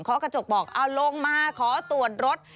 เคาะกระจกบอกเอาลงมาเคาะตรวจรถ